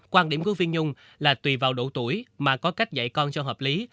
quan điểm của phiên nhung là tùy vào độ tuổi mà có cách dạy con cho hợp lý